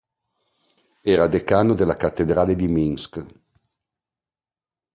Era decano della cattedrale di Minsk.